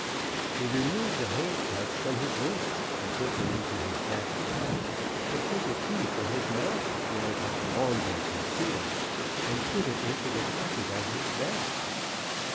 He removed the handcuffs from his wrists and put them into his jacket pocket, and took a key from his mouth, where it had long been concealed, and put it into the pocket of his vest.